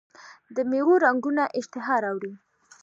د میوو رنګونه اشتها راوړي.